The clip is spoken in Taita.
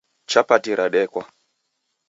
Chapati radekwa